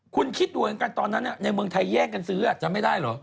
คุณคิดดูตอนนั้นในเมืองไทยแย่งกันซื้ออ่ะจำไม่ได้หรอ